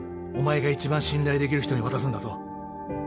お前が一番信頼できる人に渡すんだぞ